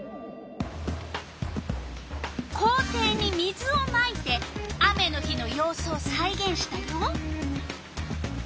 校庭に水をまいて雨の日のようすをさいげんしたよ。